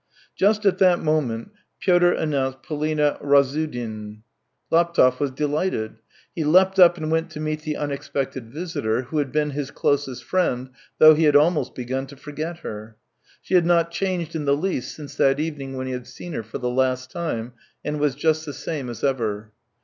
Just at that moment Pyotr announced Polina Razsudin. THREE YEARS 283 Laptev was delighted; he leapt up and went to meet the unexpected visitor, who had been his closest friend, though he had almost begun to forget her. She had not changed in the least since that evening when he had seen her for the last time, and was just the same as ever.